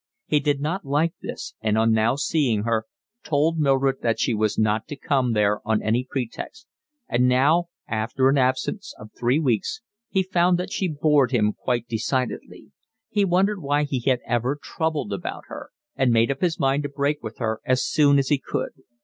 He did not like this, and, on seeing her, told Mildred that she was not to come there on any pretext; and now, after an absence of three weeks, he found that she bored him quite decidedly; he wondered why he had ever troubled about her, and made up his mind to break with her as soon as he could.